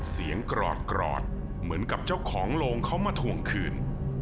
กรอดเหมือนกับเจ้าของโรงเขามาถ่วงคืน